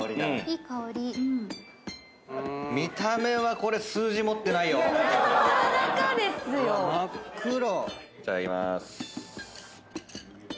いただきまーす。